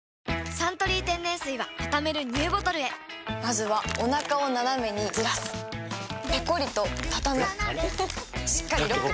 「サントリー天然水」はたためるＮＥＷボトルへまずはおなかをナナメにずらすペコリ！とたたむしっかりロック！